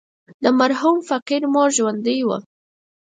د مرحوم فقير مور ژوندۍ وه.